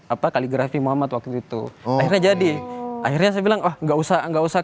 apa kaligrafi muhammad waktu itu akhirnya jadi akhirnya saya bilang oh enggak usah enggak usah